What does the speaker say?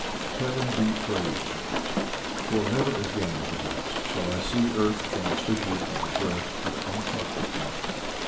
Heaven be praised for it! for never again, perhaps, shall I see earth transfig ured by the breath of antarctic winter.